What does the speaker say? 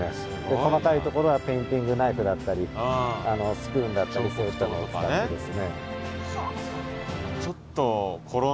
細かいところはペインティングナイフだったりスプーンだったりそういったものを使ってですね。